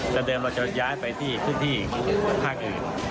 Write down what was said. จะเดินมาจนย้ายไปที่พื้นที่ภาคอื่น